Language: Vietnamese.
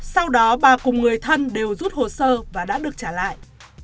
sau đó bà cùng người thân đều rút hồ sơ và đã được trả lại